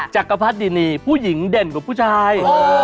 จักรพรรดินีผู้หญิงเด่นกว่าผู้ชาย